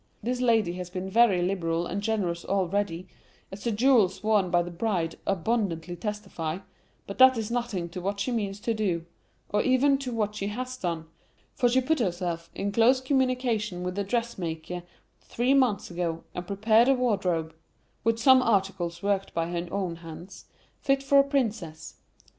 This lady has been very liberal and generous already, as the jewels worn by the bride abundantly testify, but that is nothing to what she means to do, or even to what she has done, for she put herself in close communication with the dressmaker three months ago, and prepared a wardrobe (with some articles worked by her own hands) fit for a Princess.